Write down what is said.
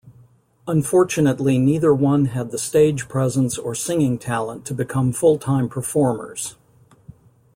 Unfortunately neither one had the stage presence or singing talent to become full-time performers.